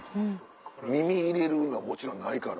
耳入れるのはもちろんないから。